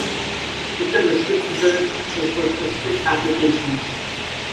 It can restrict Internet access for specific applications.